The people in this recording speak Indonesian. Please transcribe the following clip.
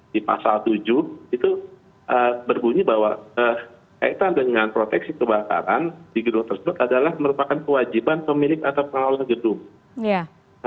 di pasal tujuh itu berbunyi bahwa kaitan dengan proteksi kebakaran di gedung tersebut adalah merupakan kewajiban pemilik atau pengelola gedung